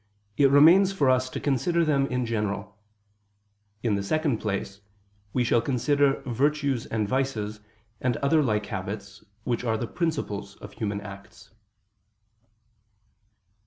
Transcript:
it remains for us to consider them in general: in the second place we shall consider virtues and vices and other like habits, which are the principles of human acts.